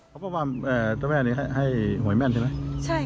พ่อพ่อมาต้นแม่นี้ให้หวยแม่นใช่ไหม